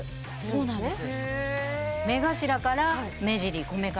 そうなんです。